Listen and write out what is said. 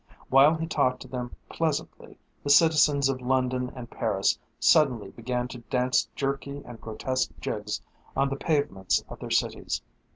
While he talked to them pleasantly the citizens of London and Paris suddenly began to dance jerky and grotesque jigs on the pavements of their cities.